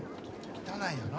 汚いがな。